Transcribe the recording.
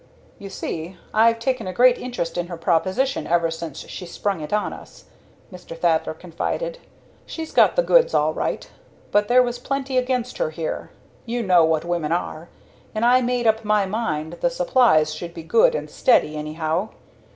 "You see, I've taken a great interest in her proposition ever since she sprung it on us," Mr. Thaddler confided. "She's got the goods all right. But there was plenty against her here you know what women are! And I made up my mind the supplies should be good and steady, anyhow.